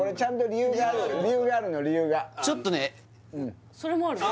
ちょっとねそれもあるの？